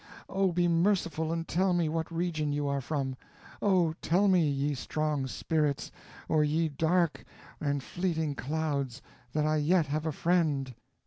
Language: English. Oh, be merciful and tell me what region you are from. Oh, tell me, ye strong spirits, or ye dark and fleeting clouds, that I yet have a friend."